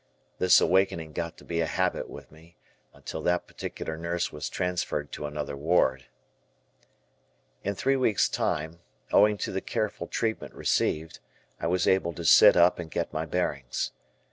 This awakening got to be a habit with me, until that particular nurse was transferred to another ward. In three weeks' time, owing to the careful treatment received, I was able to sit up and get my bearings.